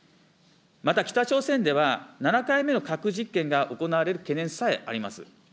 また北朝鮮では、７回目の核実験が行われる懸念さえあります。